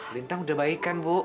lintang udah baik kan bu